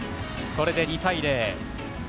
これで２対０。